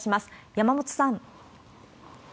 山本さん。